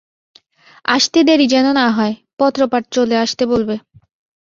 আসতে দেরী যেন না হয়, পত্রপাঠ চলে আসতে বলবে।